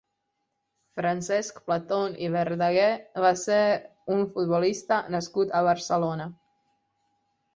Francesc Platon i Verdaguer va ser un futbolista nascut a Barcelona.